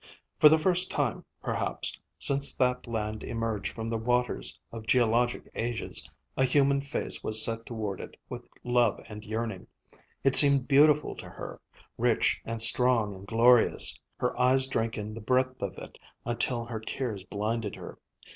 For the first time, perhaps, since that land emerged from the waters of geologic ages, a human face was set toward it with love and yearning. It seemed beautiful to her, rich and strong and glorious. Her eyes drank in the breadth of it, until her tears blinded her.